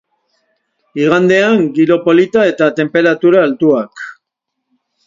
Igandean, giro polita eta tenperatura altuak.